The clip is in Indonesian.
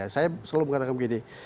saya selalu mengatakan begini